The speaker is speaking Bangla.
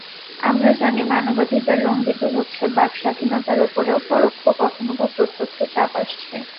আমরা জানি, মানবাধিকার লঙ্ঘিত হচ্ছে, বাক্স্বাধীনতার ওপরেও পরোক্ষ, কখনোবা প্রত্যক্ষ চাপ আসছে।